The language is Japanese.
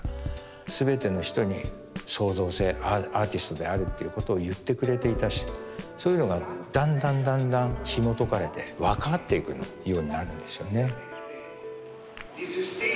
全ての人に創造性アーティストであるということを言ってくれていたしそういうのがだんだんだんだんひもとかれて分かっていくようになるんですよね。